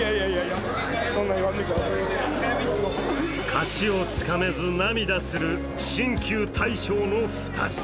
勝ちをつかめず涙する新旧大将の２人。